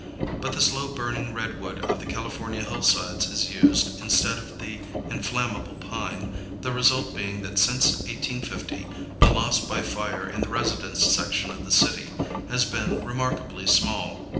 But the slow burning redwood of the California hillsides is used instead of the inflammable pine, the result being that since 1850 the loss by fire in the residence section of the city has been remarkably small.